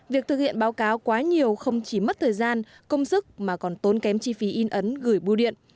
việc thực hiện báo cáo quá nhiều không chỉ mất thời gian công sức mà còn tốn kém chi phí in ấn gửi bưu điện